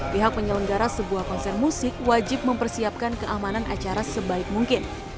pihak penyelenggara sebuah konser musik wajib mempersiapkan keamanan acara sebaik mungkin